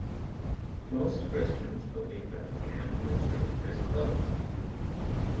Most Christians believe that the canon of scripture is closed.